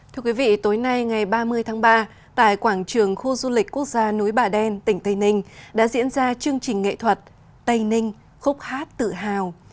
thưa quý vị tối nay ngày ba mươi tháng ba tại quảng trường khu du lịch quốc gia núi bà đen tỉnh tây ninh đã diễn ra chương trình nghệ thuật tây ninh khúc hát tự hào